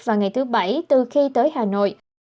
và ngày thứ bảy từ khi tới hà nội